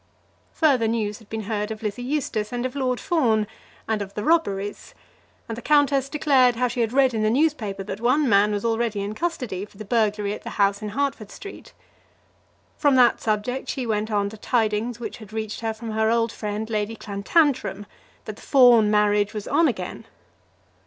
Further news had been heard of Lizzie Eustace, and of Lord Fawn, and of the robberies, and the countess declared how she had read in the newspaper that one man was already in custody for the burglary at the house in Hertford Street. From that subject she went on to tidings which had reached her from her old friend Lady Clantantram that the Fawn marriage was on again.